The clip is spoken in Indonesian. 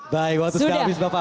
baik waktu sudah habis bapak